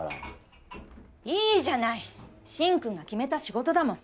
いいじゃない進くんが決めた仕事だもん。